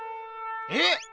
えっ！